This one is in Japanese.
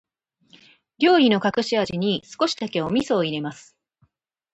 料理の隠し味に、少しだけお味噌を入れます。